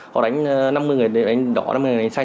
họ đánh năm mươi người đánh đỏ năm mươi người đánh xanh